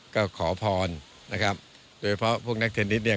ก็ขอพรโดยเพราะพวกนักเทนนิส